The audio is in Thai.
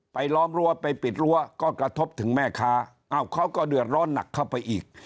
ล้อมรั้วไปปิดรั้วก็กระทบถึงแม่ค้าอ้าวเขาก็เดือดร้อนหนักเข้าไปอีก